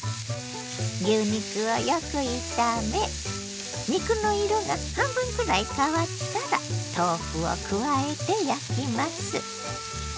牛肉をよく炒め肉の色が半分くらい変わったら豆腐を加えて焼きます。